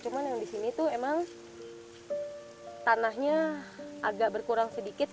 cuma yang di sini tuh emang tanahnya agak berkurang sedikit